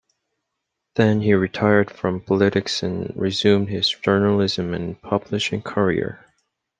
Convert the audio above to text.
Then, he retired from politics and resumed his journalism and publishing career.